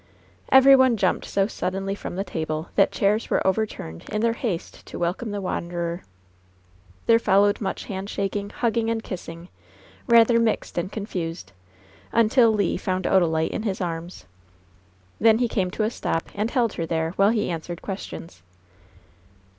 Every one jumped so suddenly from the table that chairs were overturned in their haste to welcome the wanderer. There followed much handshaking, hugging and kiss ing, rather mixed and confused, until Le found Odalite in his arms. Then he came to a stop and held her there while he answered questions.